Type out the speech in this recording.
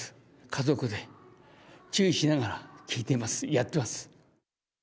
家族で注意しながら聞いていますやっています。